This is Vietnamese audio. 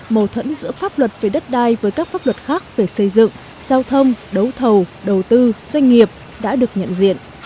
mâu thuẫn giữa pháp luật về đất đai với các pháp luật khác về xây dựng giao thông đấu thầu đầu tư doanh nghiệp đã được nhận diện